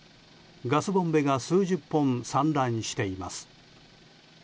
ガスボンベが数十本散乱しています。